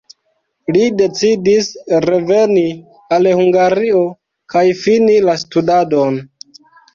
Li decidis reveni al Hungario kaj fini la studadon.